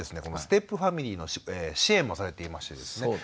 このステップファミリーの支援もされていましてですね